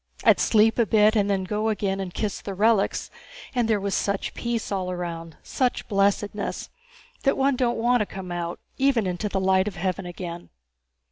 I'd sleep a bit and then again go and kiss the relics, and there was such peace all around, such blessedness, that one don't want to come out, even into the light of heaven again."